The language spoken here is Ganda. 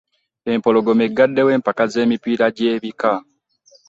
Empologoma eggaddewo empaka z'emipiira gy'ebika.